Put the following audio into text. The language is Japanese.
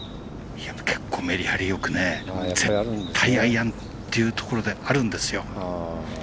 結構、メリハリよく絶対アイアンというところであるんですよ。